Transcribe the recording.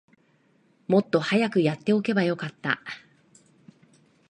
もっと早くやっておけばよかった